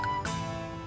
kamu kamu seseorang dosen